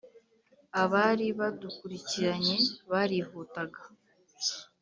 Abari badukurikiranye barihutaga